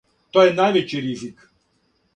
То је највећи ризик.